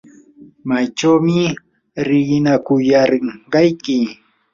¿maychawmi riqinakuyarqayki?